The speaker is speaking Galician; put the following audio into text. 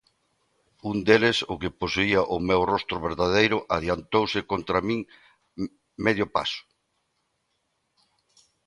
Un deles, o que posuía o meu rostro verdadeiro, adiantouse contra min medio paso.